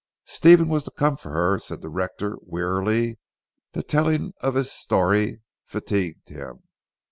"Stephen was to come for her," said the rector wearily; the telling of this story fatigued him.